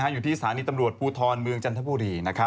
อยู่ที่สถานีตำรวจภูทรเมืองจันทบุรี